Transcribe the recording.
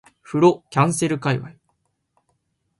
風呂キャンセル界隈